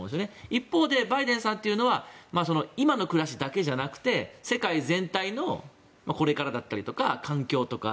一方で、バイデンさんは今の暮らしだけじゃなくて世界全体のこれからだったりとか環境とか